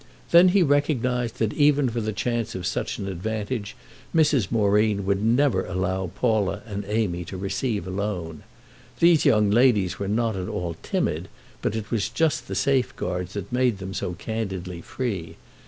Then he recognised that even for the chance of such an advantage Mrs. Moreen would never allow Paula and Amy to receive alone. These young ladies were not at all timid, but it was just the safeguards that made them so candidly free.